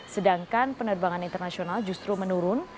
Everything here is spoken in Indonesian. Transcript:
sedangkan penerbangan internasional justru menurun